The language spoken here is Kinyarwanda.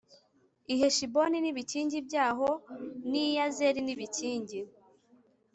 I heshiboni n ibikingi byaho n i yazeri n ibikingi